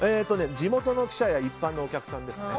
地元の記者や一般のお客さんですね。